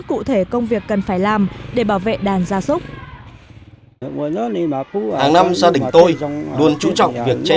cụ thể công việc